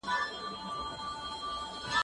زه مخکي د ښوونځی لپاره امادګي نيولی وو؟!